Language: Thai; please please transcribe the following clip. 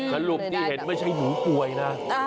และลูกที่เห็นตัวไม่ใช่หนูป่วยนะ